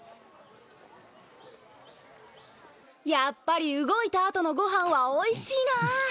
やっぱり動いた後のご飯はおいしいな！